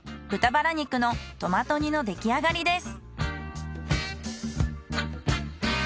豚バラ肉のトマト煮のできあがりです。